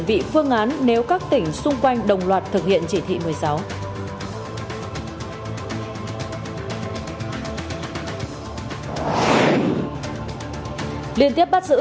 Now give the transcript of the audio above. xin chào và hẹn gặp lại